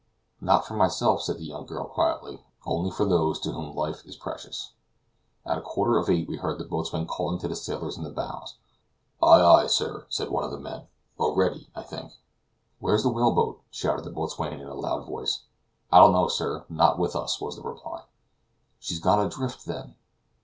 "Not for myself," said the young girl quietly, "only for those to whom life is precious." At a quarter to eight we heard the boatswain calling to the sailors in the bows. "Ay, ay, sir," said one of the men O'Ready, I think. "Where's the whale boat?" shouted the boatswain in a loud voice. "I don't know, sir. Not with us," was the reply. "She's gone adrift, then!"